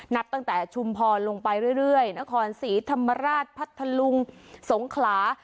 นับตั้งแต่ชุมพรลงไปเรื่อยนครศรีธรรมราชพัทธลุงสงขลา